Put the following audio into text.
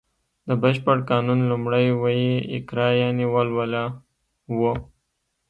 د بشپړ قانون لومړی ویی اقرا یانې ولوله و